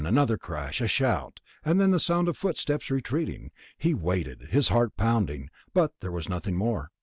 Another crash, a shout, and then the sound of footsteps retreating. He waited, his heart pounding, but there was nothing more.